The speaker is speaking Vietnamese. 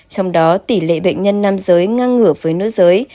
trong đó tỷ lệ bệnh nhân nam giới ngang ngửa với nữ giới